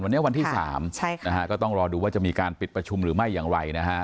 วันนี้วันที่๓ก็ต้องรอดูว่าจะมีการปิดประชุมหรือไม่อย่างไรนะฮะ